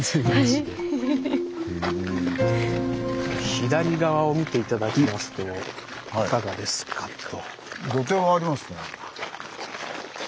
左側を見て頂きますといかがですかと。